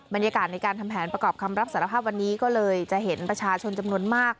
บรรยากาศในการทำแผนประกอบคำรับสารภาพวันนี้ก็เลยจะเห็นประชาชนจำนวนมาก